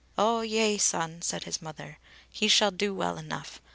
"O yea, son," said his mother, "he shall do well enough.